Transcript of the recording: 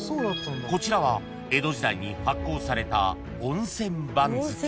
［こちらは江戸時代に発行された］